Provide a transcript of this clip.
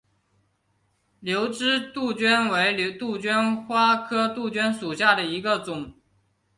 瘤枝杜鹃为杜鹃花科杜鹃属下的一个种。